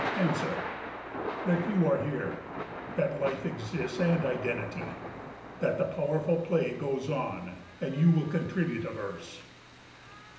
Answer. That you are here that life exists and identity, That the powerful play goes on, and you may contribute a verse.